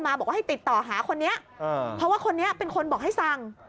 บอกว่าให้ติดต่อหาคนนี้เพราะว่าคนนี้เป็นคนบอกให้สั่ง